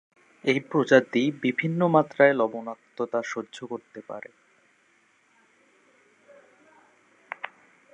এই প্রজাতি বিভিন্ন মাত্রায় লবণাক্ততা সহ্য করতে পারে।